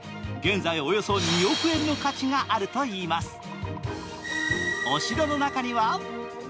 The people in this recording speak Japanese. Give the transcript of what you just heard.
現在およそ２億円の価値があるといいます。